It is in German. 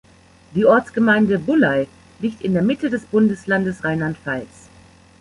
Die Ortsgemeinde Bullay liegt in der Mitte des Bundeslandes Rheinland-Pfalz.